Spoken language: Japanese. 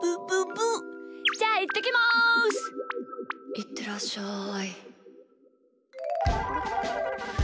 いってらっしゃい。